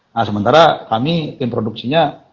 nah sementara kami tim produksinya